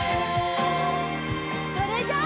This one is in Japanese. それじゃあ。